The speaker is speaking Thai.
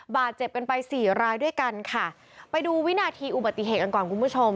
บาดเจ็บกันไปสี่รายด้วยกันค่ะไปดูวินาทีอุบัติเหตุกันก่อนคุณผู้ชม